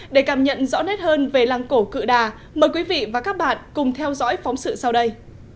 để cảm nhận rõ nét hơn về làng cổ cự đà mời quý vị và các bạn cùng theo dõi phóng sự sau đây